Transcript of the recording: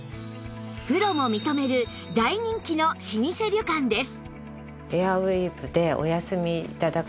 プロも認める大人気の老舗旅館です